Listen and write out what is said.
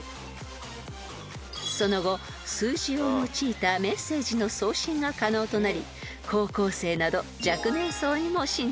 ［その後数字を用いたメッセージの送信が可能となり高校生など］